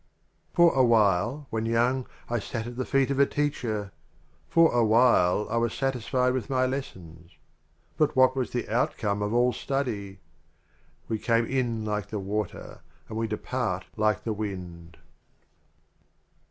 XXVIII. For a while, when young, I sat at the feet of a Teacher ; For a while I was satisfied with my Lessons. But what was the outcome of all Study? " We came in like the Water, and we depart like the Wind."